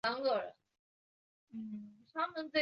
信阳王冠介为土菱介科王冠介属下的一个种。